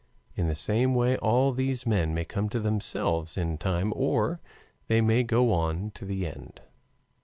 In the same way all these men may come to themselves in time or they may go on to the end.